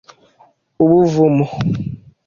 ubuvumo